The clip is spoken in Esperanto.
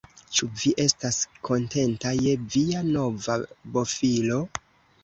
Ĉu vi estas kontenta je via nova bofilo?